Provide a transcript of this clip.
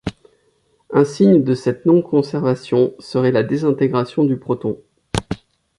Un signe de cette non-conservation serait la désintégration du proton.